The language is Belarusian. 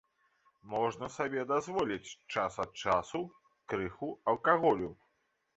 Можна сабе дазволіць час ад часу крыху алкаголю.